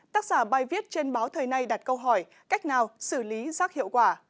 tác giả bài viết trên báo thời nay đặt câu hỏi cách nào xử lý rác hiệu quả